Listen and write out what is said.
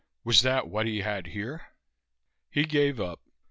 Was that what he had here? He gave up.